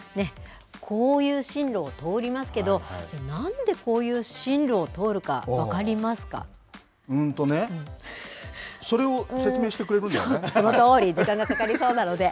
こういう進路を通りますけど、じゃあ、なんでこういう進路を通るうんとね、それを説明してくそのとおり、時間がかかりそうなので。